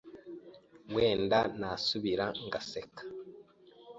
Wenda nasubira ngaseka